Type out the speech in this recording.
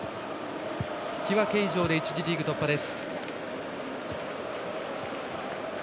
引き分け以上で１次リーグ突破です。